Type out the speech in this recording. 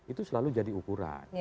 itu selalu jadi ukuran